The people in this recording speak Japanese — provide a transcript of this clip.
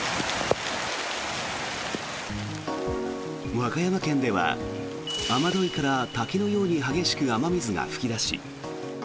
和歌山県では雨どいから滝のように激しく雨水が噴き出し